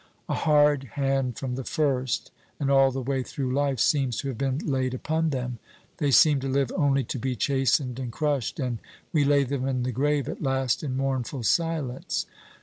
A hard hand from the first, and all the way through life, seems to have been laid upon them; they seem to live only to be chastened and crushed, and we lay them in the grave at last in mournful silence.